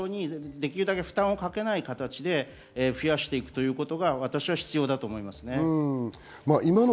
既存の病床にできるだけ負担をかけない形で増やしていくっていうことが私は必要だと思います。